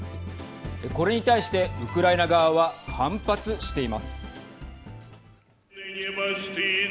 これに対してウクライナ側は反発しています。